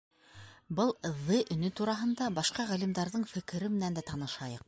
Был ҙ өнө тураһында башҡа ғалимдарҙың фекерҙәре менән дә танышайыҡ.